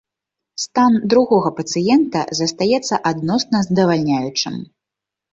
Стан другога пацыента застаецца адносна здавальняючым.